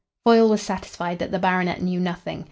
Foyle was satisfied that the baronet knew nothing.